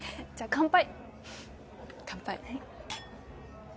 乾杯。